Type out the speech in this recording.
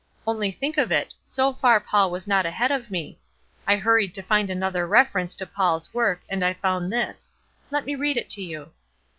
Only think of it; so far Paul was not ahead of me. I hurried to find another reference to Paul's work, and I found this; let me read it to you."